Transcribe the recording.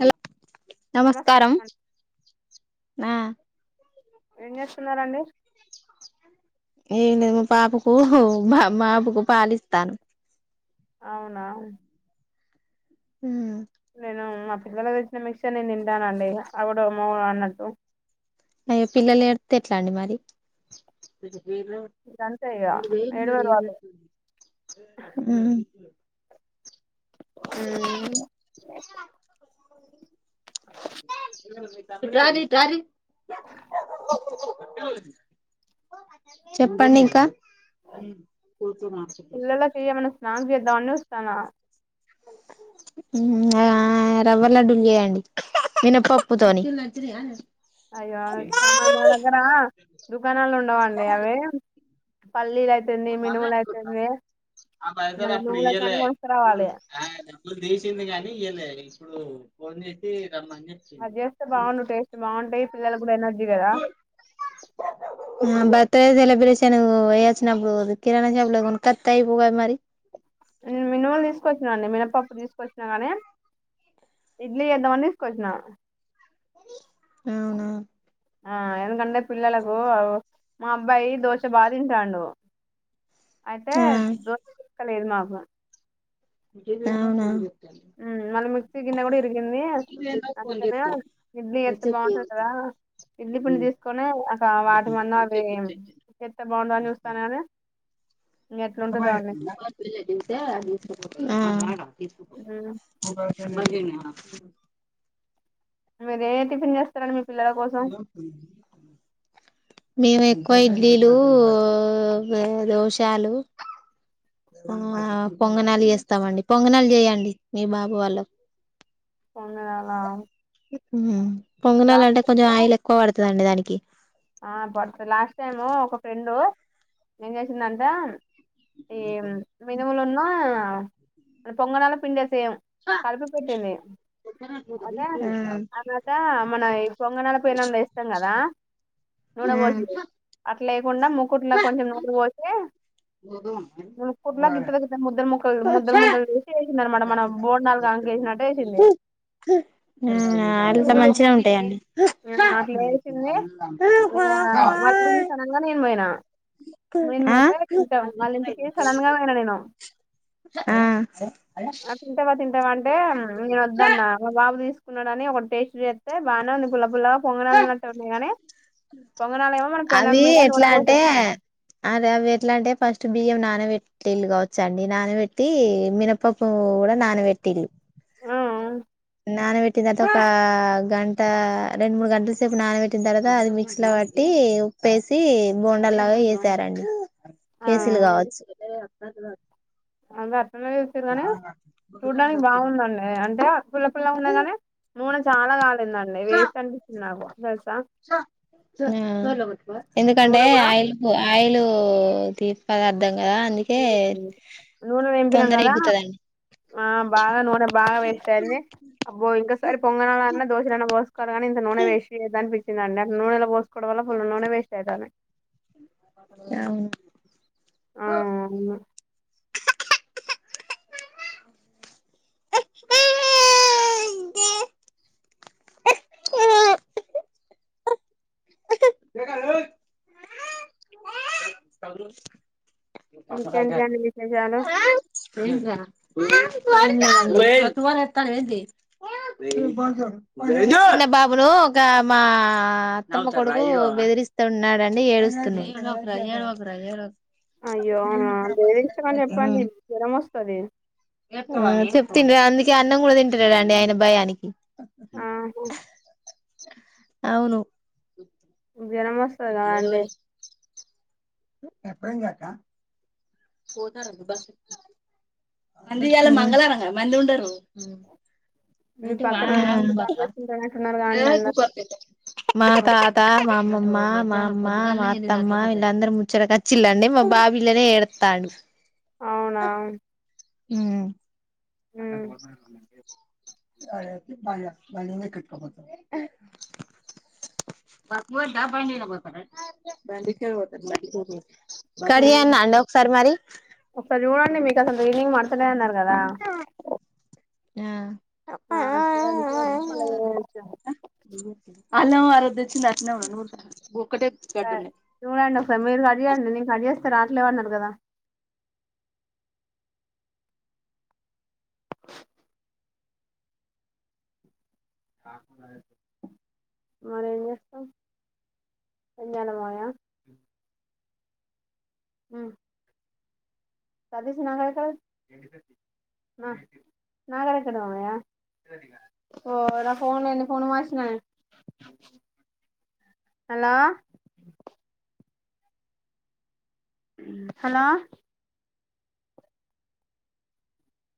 Hello నమస్కారం ఆ ఏం చేస్తున్నారండి ఏం లేదు మా పాపకు మ బాబుకు పాలిస్తాను అవునా మ్.. నేను మా పిల్లలకు తెచ్చిన మిక్సర్ నేను తింటానండి ఆవిడమో అన్నట్టు అయ్యో పిల్లలు ఏడిత్తె ఎట్లా అండి మరి ఇదంతే ఇక ఏడువరు వాళ్ళు [unintelligible] మ్ [unintelligible] చెప్పండి ఇంకా పోతు నాకుచెప్పద్దు అన్నిస్తానా ఆ రవ్వ లడ్డలు చేేయండి మినపప్పుతోని అయ్యో సమా మా దగ్గర దుకాణాలు ఉండవండి అవి పల్లీలు అయి ఇప్పుడు మళ్ళ ఆ పైసలు మళ్ళీ అప్పుడు నువ్వులకి అన్ని ఇయ్యలే కొనుక్కరావాలి డబ్బులు తీసింది కానీ ఇయ్యలే తీసుకున్నారు ఫోన్ చేతే అది ఎస్తే బాగుంది టేస్ట్ బాగుంటాయి పిల్లలకు కూడా ఎనర్జీ కదా, ఎ వేలబ్రేషన్, వచ్చినపుడు కిరాణం లా ఏమన్నా కొనుకోతే అయిపోవు గా మరి, మీనుములు తీసుకొచ్చిన అండి మినపప్పు తీసుకొచ్చినా కానీ ఇడ్లీ చేద్దామని తీసుకొచ్చిన, గదియే అవునా ఆ ఎందుకంటే పిల్లలకు మా అబ్బాయి దోశ బాగా తింటాండు. అయితే ఆ దోశ చేసేది లేదు మాకు బ అవునా ఉ మళ్ల [unintelligible] అన్ని అందుకనే ఇడ్లీ చేతే బాగుంటది, కదా ఇడ్లీ పిండి తీసుకొనన్ని అ వాటి మందాం అవి చేతే బాగుండ అని చూస్తాన కాని, [unintelligible] [unintelligible] [unintelligible] మీరు ఎ టిఫిన్ చేస్త [unintelligible] మేము ఎక్కువ ఇడ్లీలు, దోశాలు ఆ పొంగనాలు చేస్తే ఇస్తామండి పొంగనాలు చేయ్యండి మీ బాబు మందం, పని కాలే పొంగనాలు అంటే కొంచెం టైము ఆయిల్ ఎక్కువ పడుతది, దానికి తే ఆ పడుతది, లాస్ట్ టైము ఒక ఫ్రెండు ఏం చేసిందంటే, ఏ మీనుములున్నా, ఈ పొంగనాల పిండి వేస్ సేమ్ కలిపి పెట్టింది. అయితే ఆ అదియట మనం ఈ పొంగనాల పెన్నాం వేస్తాం కదా, నూనె పోసిరు, [unintelligible] చిన్న ముకుట్లా కొంచెం నూనె పోసి, ముకుట్లా ఉ గిట్ల గిట్ల ముద్దలు ముక్కలు ముద్దలు ముద్దలు చేసి వేసింది అనమాట మన బోండాలు కానుక వేసినట్టు వేసింది అరితే పునుగులు మంచిగానే బోండాలు. ఉంటాయండి. వాళ్ళని సనంగా నేను పోయినా ఆ మత తింటాం వాళ్ళ ఇంటికి సడన్ గా పోయినా నేను ఆ ఆ తింటావా తింటావా అంటే నేను వద్దన్న బా ముడే సుకున్నాడని ఒక టేస్ట్ బానే ఉంది పల్ల పుల్లగా పోంగనాలు ఉన్నాటు ఉంది కానీ పొంగనాలేమో మనం పెనం అవి మీద నూనె ఎట్లా పోసి అంటే చేస్తాము అరే అవి ఎట్లా అంటే ఫస్ట్ బియ్యం నానబెట్టిళ్ళు కావచ్చ అండి నానబెట్టి మినపప్ప కూడా నానబెట్టిళ్ళు నానబెట్టిన తర్వాత ఒక గంట రెండు మూడు గంటల సేపు నానబెట్టిన తర్వాత అది మిక్స్ లో పట్టి ఉప్పేసి బోండాల్లాగా వేసారండి ఆ కేసీలు కావచ్చు నాకు రాదు అంధర్ తిన్న కానీ చూడ్డానికి బాగుందండి అంటే పుల్ల పుల్ల ఉన్న కానీ నూనె చాలా కాలేందండి వేస్ట్ అనిపించింది నాకు తెలుసా హ్మ్మ్ ఎందుకంటే నూనె కూడా ఆయిల్ ఆయిల్ హ్మ్మ్ తీపి పదార్థాలు నూనె నింపినాం తొందర కదా ఎగ్గుతదండి ఆ బాగా నూనె బాగా వేస్ అయింది అబ్ ఇంకాసారి పొంగనన్నా దోశలోనా పోసుకోరు కానీ ఇంత నూనె వేసి వచ్చిందండి అ నూనెలా పోసుకోవడం వల్ల ఫుల్ నూనె వేస్ట్ అవుతాది హా ఆ అవును క ర చజ ఇంకేంట అండి విశేషాలు [unintelligible] అన్న బాబును ఒక మా అత్తమ్మ కొడుకు బెదిరిస్త ఉన్నాడండి ఏడుస్తున్నాయి అయ్యో అవునా ఇష్టమని చెప్పండి జ్వర్మొస్తాది చెప్ తంతడు అందుకే అన్నం కూడా తింటాలే ఆయన భయానికి ఆ అవును జ్వర్మొస్తాద అండి చెప్పను కదా పోతరూ బస్ మళ్ళీ ఇయల మంగళవారం కదా మంది ఉండరు మీ పక్కన ముచ్చట్లు బాగా పెట్టింటారంటున్నారు కదండి అందరు మా [inaudible] మా అమ్మమ్మ మామ్మ మా అత్తమ్మ ఇళ్ళందర ముచ్చట కచ్చిలండి మా బాబీలనే ఏడతాడు అవునా హ్మ్మ్ ఊ చెయపు బాయ బండిమీద కేట్కా పోతారు. బస్ బోర్డ బండి మీనా పోతరా. బండికే పోతరు లే కడియా ఉమ్ నాండ ఒక సార్ మరి హలో రీడింగ్ బడుతలే అన్నారు గదా ఆ ఆ అ మ [unintelligible] అల్లం ఆరోదెచ్చింది అట్నే ఉంది నూర్త సార్ నువ్వే అన్నావ్ సార్ మీరు కట్ చేయండి నేను కట్ చేస్తా రాట్లేవన్నారు గదా [inaudible] మర ఏం చేస్తాం ఏం జెయాలా మయా ఉ సతీష్ నాకాడ ఎక్కడ ఉండు నాకాడ ఎక్కడ మావయ్య.. ఓ నా ఫోన్ లూ ఎన్ని ఫోన్ లూ మార్చిన. Hello hello